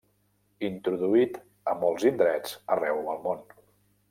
Introduït a molts indrets arreu el món.